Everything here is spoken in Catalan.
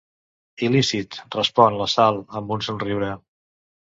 Il·lícit, respon la Sal amb un somriure.